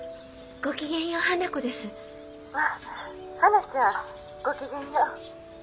☎まあはなちゃん。ごきげんよう。